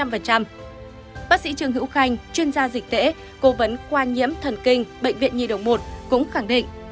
bác sĩ trương hữu khanh chuyên gia dịch tễ cố vấn khoa nhiễm thần kinh bệnh viện nhi đồng một cũng khẳng định